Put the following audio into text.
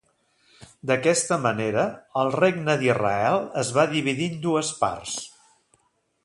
D'aquesta manera el regne d'Israel es va dividir en dues parts.